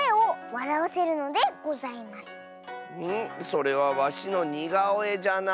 それはわしのにがおえじゃな。